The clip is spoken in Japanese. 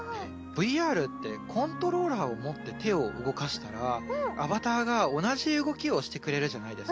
ＶＲってコントローラーを持って手を動かしたらアバターが同じ動きをしてくれるじゃないですか。